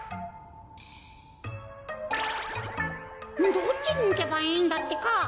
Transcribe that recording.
どっちにいけばいいんだってか？